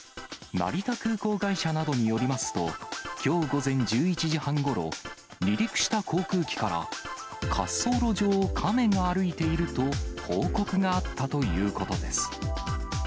成田空港会社などによりますと、きょう午前１１時半ごろ、離陸した航空機から滑走路上をカメが歩いていると報告があったということです。